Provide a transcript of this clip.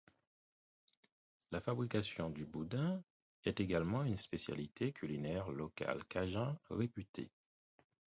La fabrication du boudin est également une spécialité culinaire locale cajun réputée.